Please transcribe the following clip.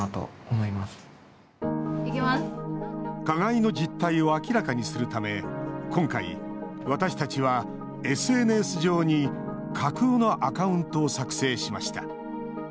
加害の実態を明らかにするため今回、私たちはＳＮＳ上に架空のアカウントを作成しました。